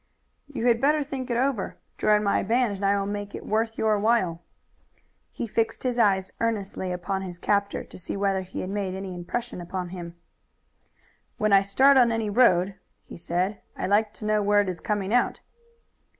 "You had better think it over. Join my band and I will make it worth your while." He fixed his eyes earnestly upon his captor to see whether he had made any impression upon him. "When I start on any road," he said, "I like to know where it is coming out."